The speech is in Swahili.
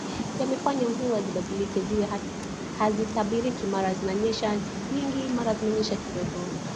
yamefanya mvua zipadilike ziwe hazitabiriki mara zinanyesha nyingi mara zinanyesha kidogo